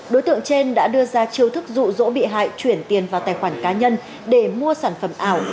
đối tượng trên đã đưa ra chiêu thức rụ rỗ bị hại chuyển tiền vào tài khoản cá nhân để mua sản phẩm ảo